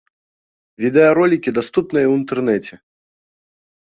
Відэаролікі даступныя ў інтэрнэце.